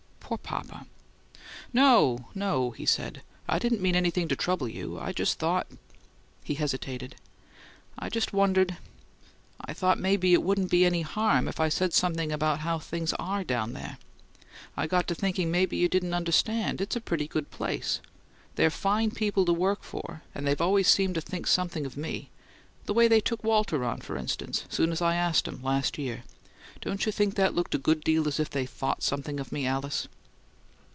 "Poor papa!" "No, no," he said. "I didn't mean anything to trouble you. I just thought " He hesitated. "I just wondered I thought maybe it wouldn't be any harm if I said something about how things ARE down there. I got to thinking maybe you didn't understand it's a pretty good place. They're fine people to work for; and they've always seemed to think something of me; the way they took Walter on, for instance, soon as I asked 'em, last year. Don't you think that looked a good deal as if they thought something of me, Alice?"